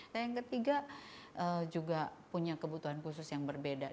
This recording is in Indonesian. dan yang ketiga juga punya kebutuhan khusus yang berbeda